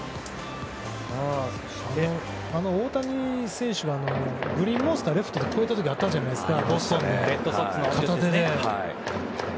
大谷選手がグリーンモンスターレフト、越えた時あったじゃないですか。